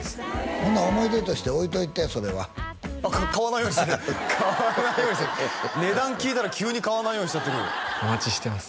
ほな思い出として置いといてそれは買わないようにしてる買わないようにしてる値段聞いたら急に買わないようにしちゃってるお待ちしてます